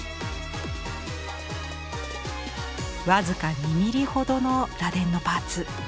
僅か２ミリほどの螺鈿のパーツ。